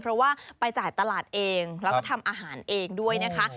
เพราะว่าไปจ่ายตลาดเองแล้วก็ทำอาหารเองด้วยนะคะ